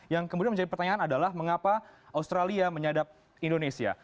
yang kemudian menjadi pertanyaan adalah mengapa australia menyadap indonesia